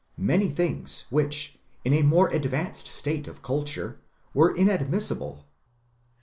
many things which, in a more advanced state of culture, were inadmissible.